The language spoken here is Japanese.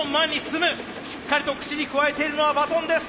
しっかりと口にくわえているのはバトンです。